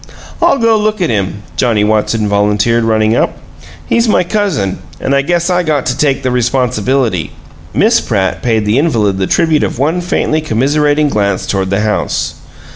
"I'll go look at him," Johnnie Watson volunteered, running up. "He's my cousin, and I guess I got to take the responsibility." Miss Pratt paid the invalid the tribute of one faintly commiserating glance toward the house.